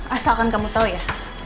asalkan kamu tau ya